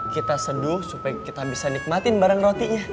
kita seduh supaya kita bisa nikmatin bareng rotinya